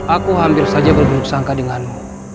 aku hampir saja berburuk sangka denganmu